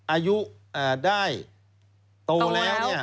อายุได้โตแล้วเนี่ย